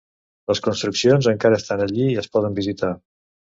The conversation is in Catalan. Les construccions encara estan allí i es poden visitar.